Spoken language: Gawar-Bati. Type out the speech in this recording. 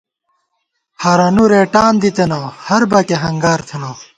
ہرَنُو رېٹان دِتنہ ، ہر بکَئے ہنگار تھنہ